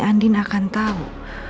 andi akan tahu